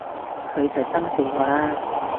佢實憎死我啦！